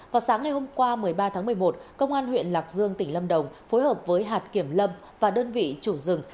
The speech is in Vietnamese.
vào sáng ngày hôm qua một mươi ba tháng một mươi một công an huyện lạc dương tỉnh lâm đồng phối hợp với hạt kiểm lâm và đơn vị chủ rừng